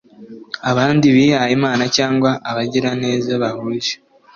abandi bihayimana cyangwa abagiraneza bahuje